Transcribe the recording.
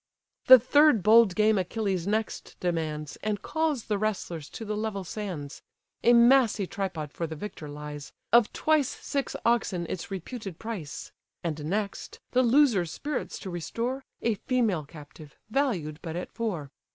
The third bold game Achilles next demands, And calls the wrestlers to the level sands: A massy tripod for the victor lies, Of twice six oxen its reputed price; And next, the loser's spirits to restore, A female captive, valued but at four.